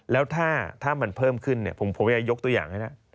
แล้วถ้ามันเพิ่มขึ้นเนี่ยผมอยากยกตัวอย่างให้นะ